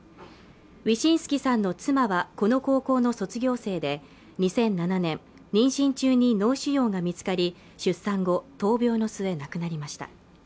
ウィシンスキさんの妻はこの高校の卒業生で２００７年妊娠中に脳腫瘍が見つかり出産後闘病の末亡くなりました